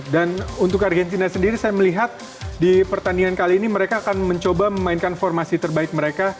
dan untuk argentina sendiri saya melihat di pertandingan kali ini mereka akan mencoba memainkan formasi terbaik mereka